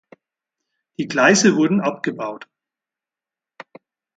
Die Gleise wurden abgebaut.